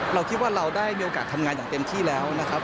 เราคิดว่าเราได้มีโอกาสทำงานอย่างเต็มที่แล้วนะครับ